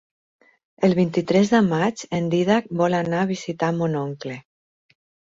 El vint-i-tres de maig en Dídac vol anar a visitar mon oncle.